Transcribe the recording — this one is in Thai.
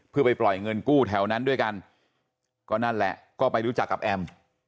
เพื่อไปปล่อยเงินกู้แถวนั้นด้วยกันก็นั่นแหละก็ไปรู้จักกับแอม